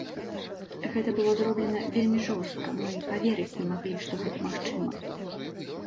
Гэта было зроблена вельмі жорстка, мы паверыць не маглі, што гэта магчыма.